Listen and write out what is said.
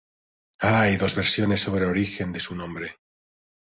Hay dos versiones sobre el origen de su nombre.